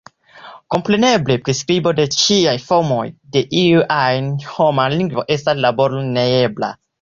Kompreneble, priskribo de ĉiaj formoj de iu ajn homa lingvo estas laboro neebla.